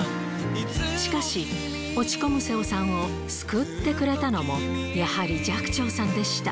しかし、落ち込む瀬尾さんを救ってくれたのも、やはり寂聴さんでした。